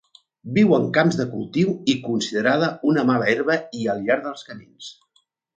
Viu en camps de cultiu i considerada una mala herba i al llarg de camins.